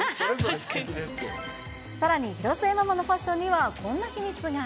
さらに、広末ママのファッションには、こんな秘密が。